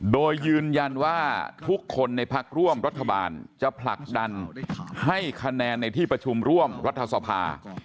โดยยืนยันว่าทุกคนในพักร่วมรัฐบาลจะผลักดันให้คะแนนในที่ประชุมร่วมรัฐสภา